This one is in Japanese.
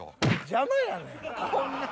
邪魔やねん。